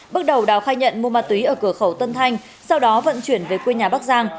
bước đầu đào khai nhận mua ma túy ở cửa khẩu tân thanh sau đó vận chuyển về quê nhà bắc giang